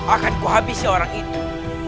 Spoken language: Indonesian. akanku habisi orang itu